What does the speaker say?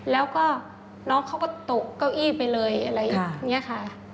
แล้วก็น้องเขาก็ตกเก้าอี้ไปเลยอะไรอย่างนี้ค่ะ